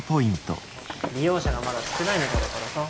利用者がまだ少ないみたいだからさ。